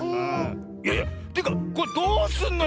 いやいやというかこれどうすんのよ